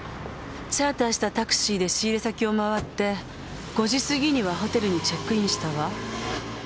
チャーターしたタクシーで仕入れ先を回って５時過ぎにはホテルにチェックインしたわ。